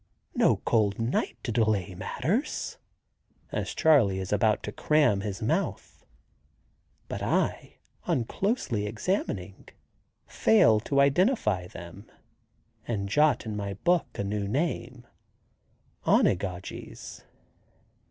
no cold night to delay matters!" as Charley is about to cram his mouth. But I, on closely examining, fail to identify them, and jot in my book a new name, "Onigogies."